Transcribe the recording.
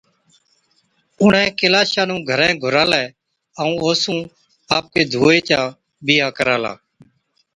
اُڻهين ڪيلاشا نُون گھرين گھُرالَي ائُون اوسُون آپڪِي ڌُوئي چا بِيها ڪرالا۔